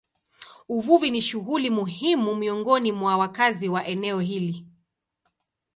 Uvuvi ni shughuli muhimu miongoni mwa wakazi wa eneo hili.